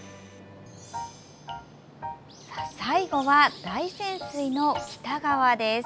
最後は、大泉水の北側です。